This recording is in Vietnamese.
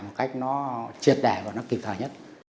một cách nó triệt đẻ và nó kịp thời nhất